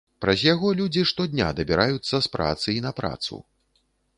Праз яго людзі штодня дабіраюцца з працы і на працу.